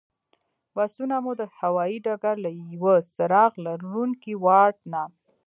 بسونه مو د هوایي ډګر له یوه څراغ لرونکي واټ نه.